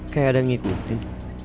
kayak ada yang ngikutin